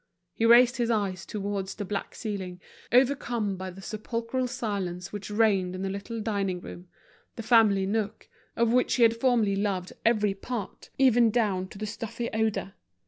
He raised his eyes towards the black ceiling, overcome by the sepulchral silence which reigned in the little dining room, the family nook, of which he had formerly loved every part, even down to the stuffy odor.